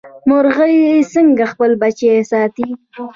مورغۍ څنګه خپل بچي ساتي؟